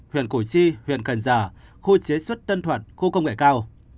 huyện cổ chi huyện cần già khu chế xuất tân thuận khu công nghệ cao